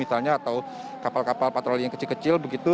atau kapal kapal patroli yang kecil kecil